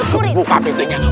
serukurin serukurin serukurin